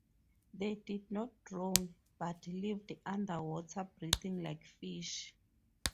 They did not drown, but lived underwater breathing like fish.